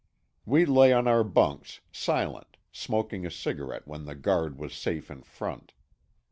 We lay on our bunks, silent, smoking a cigarette when the guard was safe in front.